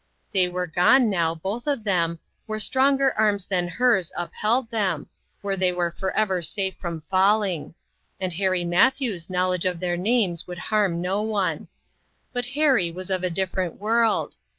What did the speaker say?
They were gone now, both of them, where stronger arms than hers upheld them, where tliey were forever safe from falling ; and Harry Matthews' knowledge of their names could harm no one. But Harry was of a differ ent world.